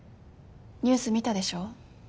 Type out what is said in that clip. ニュース見たでしょ？